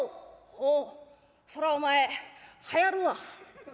「おおそれはお前はやるわ。